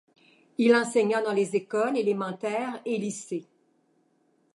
Il enseigna dans les écoles élémentaires et lycées.